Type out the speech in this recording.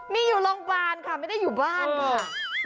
มีอยู่โรงพยาบาลค่ะไม่ได้อยู่บ้านค่ะ